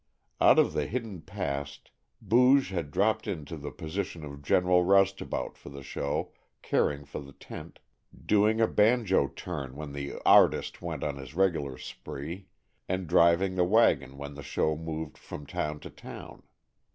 Out of a hidden past Booge had dropped into the position of general "roustabout" for the show, caring for the tent, doing a banjo "turn" when the "artist" went on his regular spree, and driving the wagon when the show moved from town to town.